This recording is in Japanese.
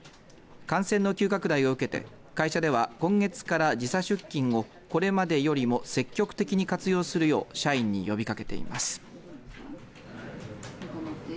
感染の急拡大を受けて会社では今月から時差出勤をこれまでよりも積極的に活用するよう社員に呼びかけています。